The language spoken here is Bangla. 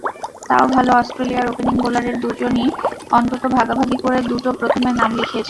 তা-ও ভালো, অস্ট্রেলিয়ার ওপেনিং বোলারের দুজনই অন্তত ভাগাভাগি করে দুটো প্রথমে নাম লিখিয়েছেন।